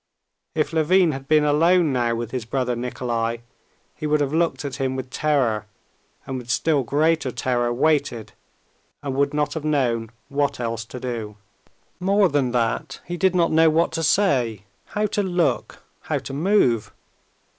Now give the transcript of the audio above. If Levin had been alone now with his brother Nikolay, he would have looked at him with terror, and with still greater terror waited, and would not have known what else to do. More than that, he did not know what to say, how to look, how to move.